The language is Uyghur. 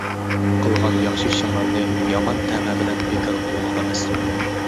قىلغان ياخشى ئىشىڭلارنى يامان تەمە بىلەن بىكار قىلغۇلۇق ئەمەس.